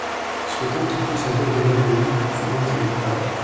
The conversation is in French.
Souhaitons qu’il puisse un jour donner au pays tout ce dont il est capable.